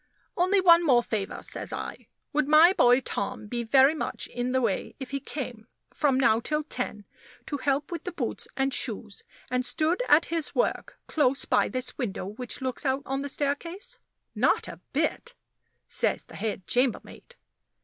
"Only one more favor," says I. "Would my boy Tom be very much in the way if he came, from now till ten, to help with the boots and shoes, and stood at his work close by this window which looks out on the staircase?" "Not a bit," says the head chambermaid.